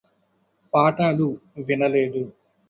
పాఠాలు వినలేడు